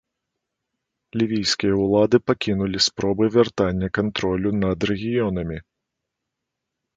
Лівійскія ўлады пакінулі спробы вяртання кантролю над рэгіёнамі.